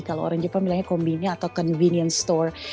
kalau orang jepang bilangnya combine atau convenience store